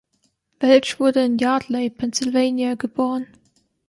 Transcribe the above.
Welch wurde in Yardley, Pennsylvania geboren.